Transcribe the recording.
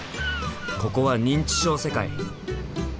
ここは認知症世界！